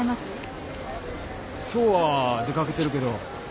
今日は出かけてるけど。